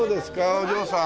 お嬢さん。